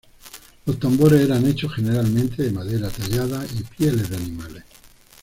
Los tambores eran hechos generalmente de madera tallada y pieles de animales.